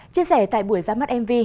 chia sẻ tại buổi ra mắt mv